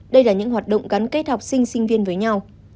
đây là những hoạt động gắn kết học sinh sinh viên với nhau